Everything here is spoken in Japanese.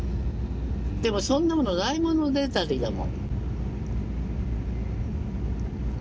でもそんなものないものねだりだもん。